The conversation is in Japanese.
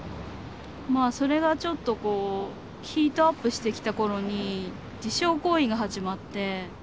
まあそれがちょっとヒートアップしてきた頃に自傷行為が始まって。